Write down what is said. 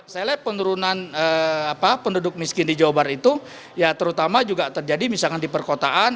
saya lihat penurunan penduduk miskin di jawa barat itu ya terutama juga terjadi misalkan di perkotaan